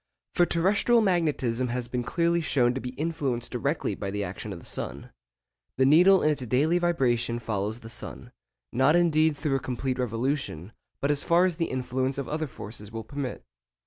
For terrestrial magnetism has been clearly shown to be influenced directly by the action of the sun. The needle in its daily vibration follows the sun, not indeed through a complete revolution, but as far as the influence of other forces will permit.